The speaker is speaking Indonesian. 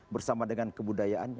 bersama dengan kebudayaannya